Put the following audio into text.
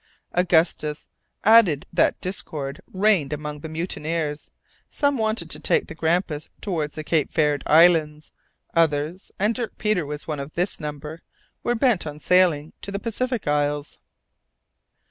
Augustus added that discord reigned among the mutineers. Some wanted to take the Grampus towards the Cape Verde Islands; others, and Dirk Peters was of this number, were bent on sailing to the Pacific Isles.